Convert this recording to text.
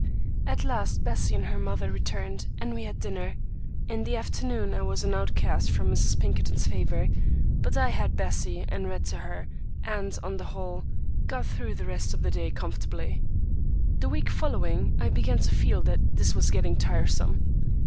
At last Bessie and her mother returned, and we had dinner. In the afternoon I was an outcast from Mrs. Pinkerton's favor, but I had Bessie and read to her, and, on the whole, got through the rest of the day comfortably. The week following I began to feel that this was getting tiresome.